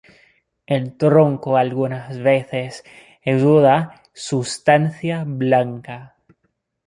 El tronco algunas veces exuda sustancia blanca.